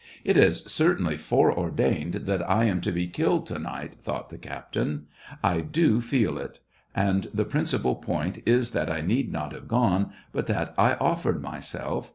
" It is certainly foreordained that I am to be killed to night," thought the captain. ..." I feel 54 SEVASTOPOL IN MAY. it. And the principal point is that I need not have gone, but that I offered myself.